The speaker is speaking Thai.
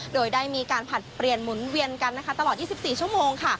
โดยได้มีการผลัดเปลี่ยนหมุนเวียนกันตลอด๒๔ชั่วโมง